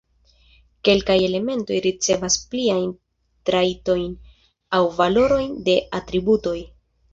Kelkaj elementoj ricevas pliajn trajtojn aŭ valorojn de atributoj.